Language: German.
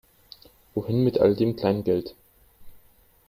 Wohin mit all dem Kleingeld?